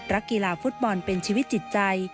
กีฬาฟุตบอลเป็นชีวิตจิตใจ